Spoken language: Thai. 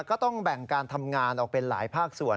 ก็ต้องแบ่งการทำงานออกเป็นหลายภาคส่วน